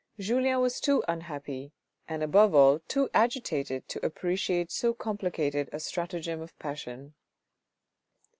Julien was too unhappy, and above all too agitated to appreciate so complicated a stratagem of passion.